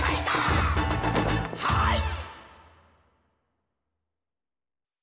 はい！